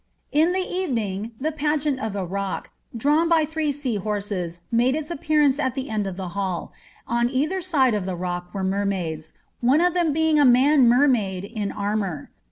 ]n the evening, the |)ageaot of a rock, drawn by three sea horses, made its appearance at the end of the hall ; on either side of the rock were mermaids, one of them being a ^ man mermaid'' in armour.